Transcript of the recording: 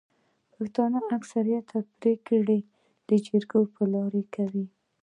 پښتانه اکثريت پريکړي د جرګي د لاري کوي.